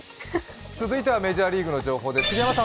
続いてはメジャーリーグの情報です。